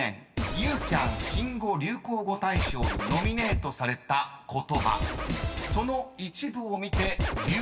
ユーキャン新語・流行語大賞にノミネートされた言葉その一部を見て］